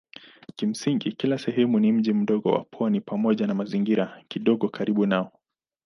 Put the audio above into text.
Kimsingi kila sehemu ni mji mdogo wa pwani pamoja na mazingira kidogo karibu nao.